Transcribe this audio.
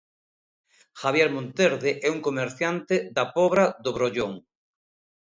Javier Monterde é un comerciante da Pobra do Brollón.